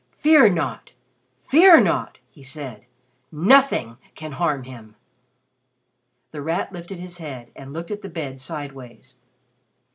"Fear not! Fear not," he said. "Nothing can harm him." The Rat lifted his head, and looked at the bed sideways.